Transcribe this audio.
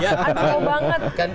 iya anggota banget